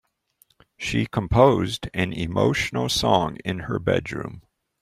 She composed an emotional song in her bedroom.